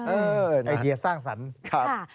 เออไอเดียสร้างสรรค์